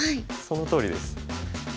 そのとおりです。